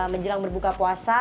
menjelang berbuka puasa